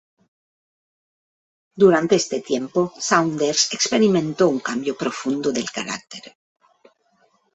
Durante este tiempo Saunders experimentó un cambio profundo del carácter.